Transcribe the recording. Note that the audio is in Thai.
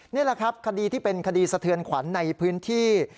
นี่แหละครับคดีที่เป็นคดีสะเทือนขวัญในพื้นที่